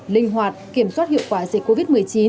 linh hoạt kiểm soát hiệu quả dịch covid một mươi chín